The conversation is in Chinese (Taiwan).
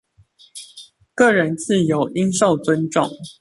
個人自由應受尊重